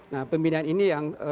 nah pembinaan ini yang